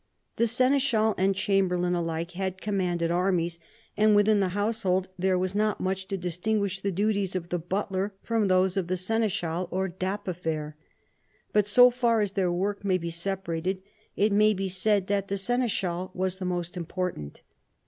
The seneschal and chamberlain alike had commanded armies, and within the household there was not much to distinguish the duties of the butler from those of the seneschal or dapifer. But so far as their work may be separated, it may be said that the seneschal was the most important.